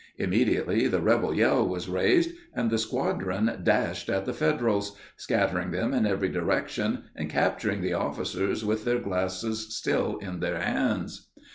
Immediately the rebel yell was raised, and the squadron dashed at the Federals, scattering them in every direction, and capturing the officers with their glasses still in their hands.